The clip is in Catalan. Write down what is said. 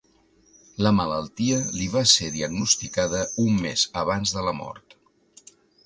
La malaltia li va ser diagnosticada un mes abans de la mort.